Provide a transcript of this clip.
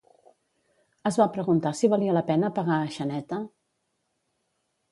Es va preguntar si valia la pena pegar a Xaneta?